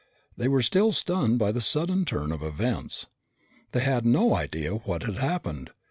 They were still stunned by the sudden turn of events. They had no idea what had happened.